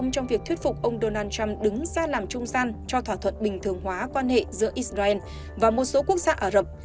cho thỏa thuận bình thường hóa quan hệ giữa israel và một số quốc gia ả rập